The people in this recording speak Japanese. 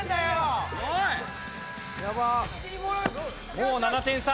もう７点差。